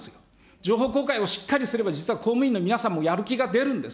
情報公開をしっかりすれば、実は公務員の皆さんも、やる気が出るんです。